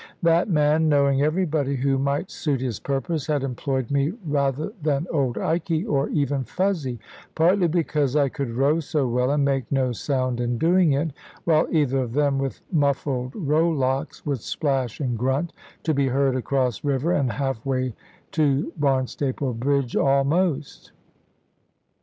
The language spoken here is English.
That man, knowing everybody who might suit his purpose, had employed me rather than old Ikey or even Fuzzy, partly because I could row so well and make no sound in doing it; while either of them, with muffled rowlocks, would splash and grunt, to be heard across river, and half way to Barnstaple Bridge almost.